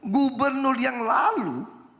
gubernur yang lalu